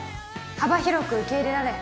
幅広く受け入れられ